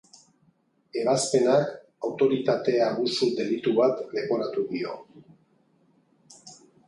Ebazpenak autoritate-abusu delitu bat leporatu dio.